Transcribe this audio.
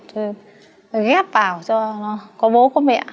rồi ghép vào cho nó có bố có mẹ